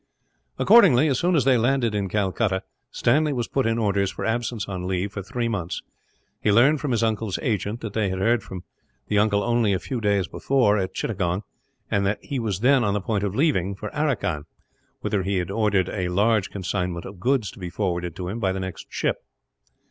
Accordingly, as soon as they landed in Calcutta, Stanley was put in orders for absence on leave, for three months. He learned, from his uncle's agent, that they had heard from him only a few days before, at Chittagong; and that he was then on the point of leaving for Aracan, whither he had ordered a large consignment of goods to be forwarded to him, by the next ship.